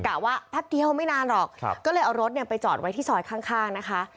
ว่าแป๊บเดียวไม่นานหรอกก็เลยเอารถเนี่ยไปจอดไว้ที่ซอยข้างนะคะ